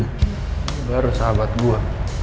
ini baru sahabat gue